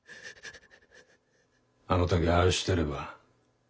「あの時ああしてれば」